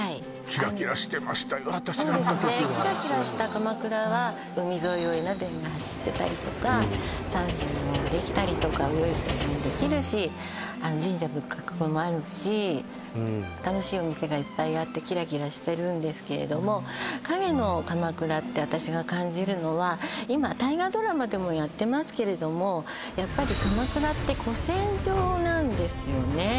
私が行った時はそうですねキラキラした鎌倉は海沿いを江ノ電が走ってたりとかサーフィンもできたりとか泳いだりもできるし神社仏閣もあるし楽しいお店がいっぱいあってキラキラしてるんですけれども影の鎌倉って私が感じるのは今大河ドラマでもやってますけれどもやっぱり鎌倉って古戦場なんですよね